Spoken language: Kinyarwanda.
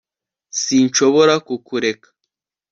sinshobora kukureka